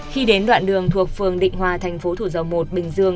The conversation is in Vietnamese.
khi đến đoạn đường thuộc phường định hòa thành phố thủ dầu một bình dương